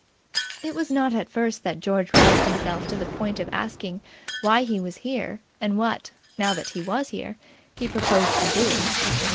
It was not at first that George roused himself to the point of asking why he was here and what now that he was here he proposed to do.